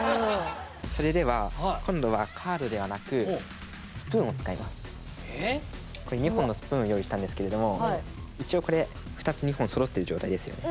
それでは今度はここに２本のスプーンを用意したんですけれども一応これ２つ２本そろってる状態ですよね。